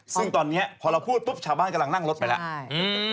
ซึ่งตอนนี้พอเราพูดปุ๊บชาวบ้านกำลังนั่งรถไปแล้ว